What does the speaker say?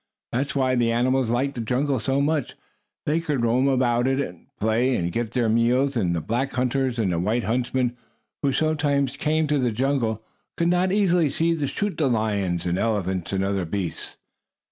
That was why the animals liked the jungle so much; they could roam about in it, play and get their meals, and the black hunters and the white huntsmen who sometimes came to the jungle, could not easily see to shoot the lions, elephants and other beasts.